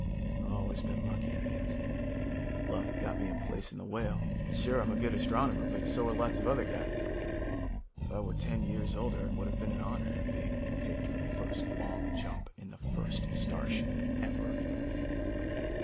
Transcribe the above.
"I've always been lucky, I guess. Luck got me a place in the Whale. Sure I'm a good astronomer but so are lots of other guys. If I were ten years older, it would have been an honor, being picked for the first long jump in the first starship ever.